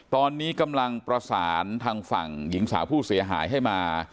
ตอนนี้กำลังประสานทางฝั่งหญิงสาวผู้เสียหายให้มา